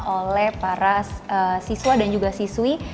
oleh para siswa dan juga siswi